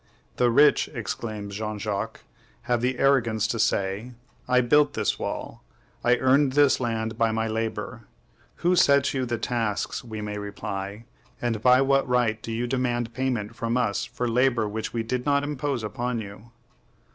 "The rich," exclaims Jean Jacques, "have the arrogance to say, 'I built this wall; I earned this land by my labor.' Who set you the tasks? we may reply, and by what right do you demand payment from us for labor which we did not impose upon you?"